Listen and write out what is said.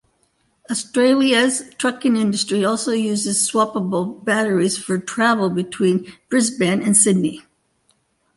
Australia’s trucking industry also uses swappable batteries for travel between Brisbane and Sydney.